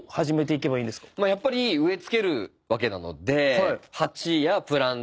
やっぱり植え付けるわけなので。